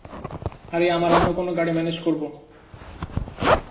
আরে, আমরা অন্য কোনো গাড়ি ম্যানেজ করবো।